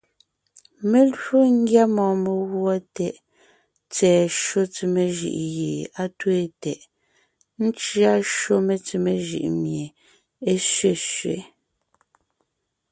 Mé lwo ńgyá mɔɔn meguɔ tɛʼ tsɛ̀ɛ shÿó tsemé jʉʼ gie á twéen tɛʼ, ńcʉa shÿó metsemé jʉʼ mie é sẅesẅě.